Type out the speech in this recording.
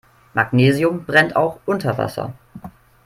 Magnesium brennt auch unter Wasser.